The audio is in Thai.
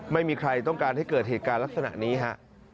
ไม่มีใครต้องการให้เกิดเหตุการณ์ลักษณะนี้ฮะ